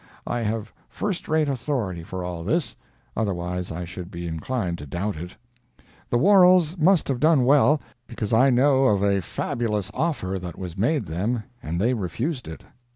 I have first rate authority for all this, otherwise I should be inclined to doubt it. The Worrels must have done well, because I know of a fabulous offer that was made them and they refused it.